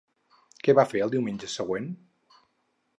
Què va fer el diumenge següent?